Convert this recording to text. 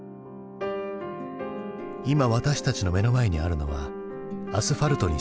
今私たちの目の前にあるのはアスファルトに咲く花。